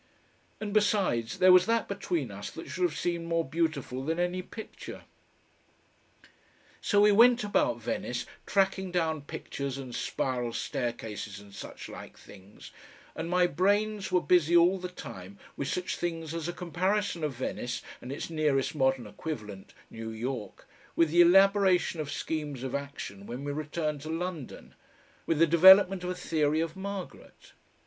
And besides, there was that between us that should have seemed more beautiful than any picture.... So we went about Venice tracking down pictures and spiral staircases and such like things, and my brains were busy all the time with such things as a comparison of Venice and its nearest modern equivalent, New York, with the elaboration of schemes of action when we returned to London, with the development of a theory of Margaret.